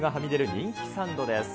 人気サンドです。